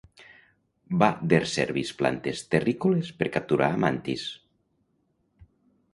Va der servis plantes terrícoles per capturar a Mantis.